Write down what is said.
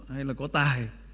hay là có tài